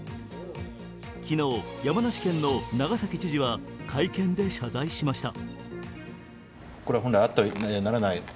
昨日、山梨県の長崎知事は会見で謝罪しました。